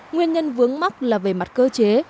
nguyên nhân vướng mắc là về mặt cơ chế